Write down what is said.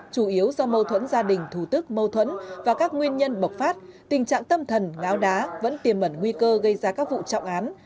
chủ yếu do mâu thuẫn gia đình thủ tức mâu thuẫn và các nguyên nhân bộc phát tình trạng tâm thần ngáo đá vẫn tiềm mẩn nguy cơ gây ra các vụ trọng án